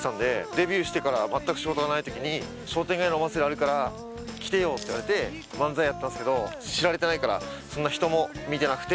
デビューしてからまったく仕事がないときに「商店街のお祭りあるから来てよ」って言われて漫才やったんすけど知られてないからそんな人も見てなくて。